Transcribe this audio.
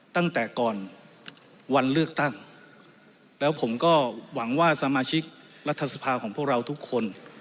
ตั้งแต่ก่อนวันเลือกตั้งแล้วผมก็หวังว่าสมาชิกรัฐสภาของพวกเราทุกคน